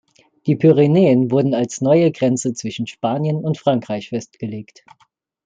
Die Pyrenäen wurden als neue Grenze zwischen Spanien und Frankreich festgelegt.